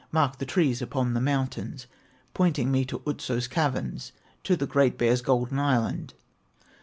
Marked the trees upon the mountains, Pointing me to Otso's caverns, To the Great Bear's golden island.